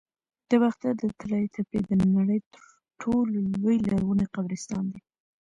د باختر د طلایی تپې د نړۍ تر ټولو لوی لرغوني قبرستان دی